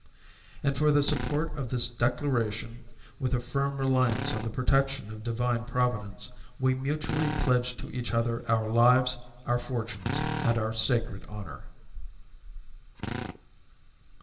And for the support of this Declaration, with a firm reliance on the Protection of Divine Providence, we mutually pledge to each other our Lives, our Fortunes and our sacred Honor.